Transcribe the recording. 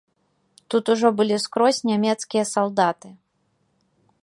Тут ужо былі скрозь нямецкія салдаты.